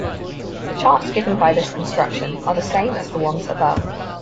The charts given by this construction are the same as the ones above.